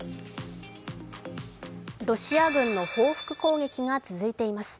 ロシア軍の報復攻撃が続いています。